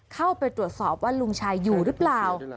เข้าไปตรวจสอบว่าลุงชายอยู่หรือเปล่า